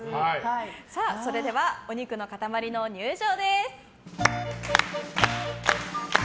それではお肉の塊の入場です。